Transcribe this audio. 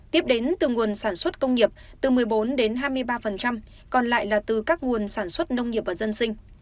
tiếp đến từ nguồn sản xuất công nghiệp từ một mươi bốn đến hai mươi ba còn lại là từ các nguồn sản xuất nông nghiệp và dân sinh